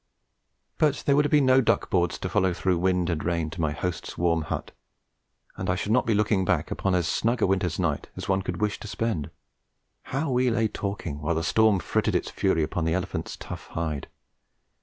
But there would have been no duck boards to follow through wind and rain to my host's warm hut, and I should not be looking back upon as snug a winter's night as one could wish to spend. How we lay talking while the storm frittered its fury upon the elephant's tough hide!